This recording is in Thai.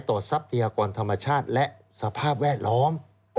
ทรัพยากรธรรมชาติและสภาพแวดล้อม